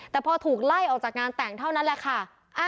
แต่พอถูกไล่ออกจากงานแต่งเท่านั้นแหละค่ะ